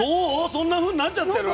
そんなふうになっちゃってる？